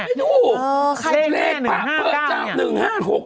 ไม่ถูกเพราะเปอร์สจาม๑๕๖ไม่ถูก